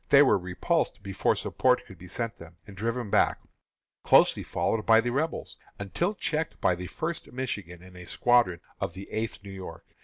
They were repulsed before support could be sent them, and driven back, closely followed by the Rebels, until checked by the First Michigan and a squadron of the Eighth New York.